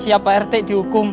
saya siap pak rt dihukum